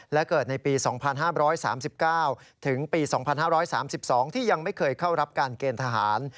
และเกิดในปี๒๕๓๙ถึงปี๒๕๓๒ที่ยังไม่เคยเข้ารับการเกณฑ์ทหาร